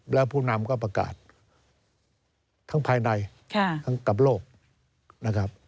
แล้วผู้นำก็ประกาศทั้งภายในทั้งกับโลกนะครับ